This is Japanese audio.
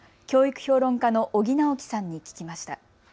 教育評論家の尾木直樹さんに聞きました。